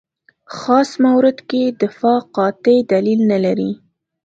خاص مورد کې دفاع قاطع دلیل نه لري.